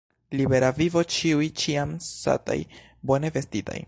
Libera vivo, ĉiuj ĉiam sataj, bone vestitaj!